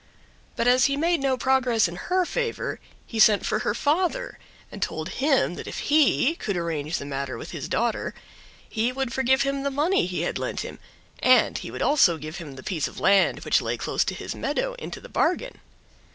But as he made no progress in her favor he sent for her father and told him that if he could arrange the matter with his daughter he would forgive him the money he had lent him, and he would also give him the piece of land which lay close to his meadow into the bargain.